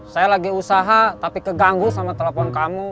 saya lagi usaha tapi keganggu sama telepon kamu